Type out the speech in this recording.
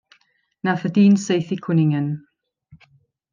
Nath y dyn saethu cwningen.